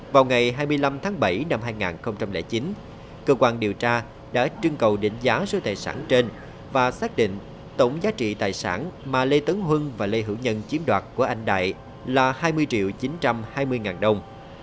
vào ngày hai mươi năm tháng bảy năm hai nghìn chín cơ quan điều tra đã trưng cầu định giá số tài sản trên và xác định tổng giá trị tài sản mà lê tấn huân và lê hữu nhân chiếm đoạt của anh đại là hai mươi triệu chín trăm hai mươi ngàn đồng